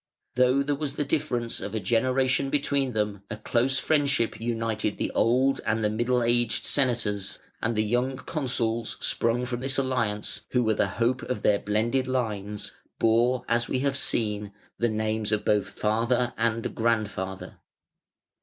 Though there was the difference of a generation between them, a close friendship united the old and the middle aged senators, and the young consuls sprung from this alliance, who were the hope of their blended lines, bore, as we have seen, the names of both father and grandfather.